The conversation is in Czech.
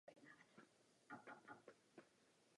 Přitom je ale Lisa napadena duchem mumie.